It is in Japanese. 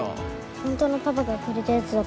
本当のパパがくれたやつだから。